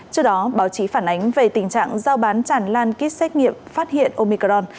trước đó báo chí phản ánh về tình trạng giao bán tràn lan kit xét nghiệm phát hiện omicron